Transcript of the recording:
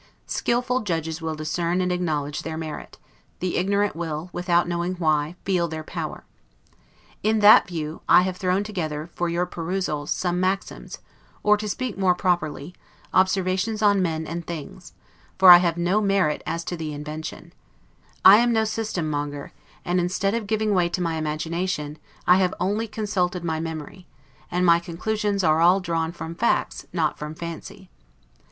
Skillful judges will discern and acknowledge their merit; the ignorant will, without knowing why, feel their power. In that view, I have thrown together, for your perusal, some maxims; or, to speak more properly, observations on men and things; for I have no merit as to the invention: I am no system monger; and, instead of giving way to my imagination, I have only consulted my memory; and my conclusions are all drawn from facts, not from fancy.